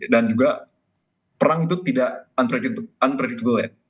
dan juga perang itu tidak unpredictable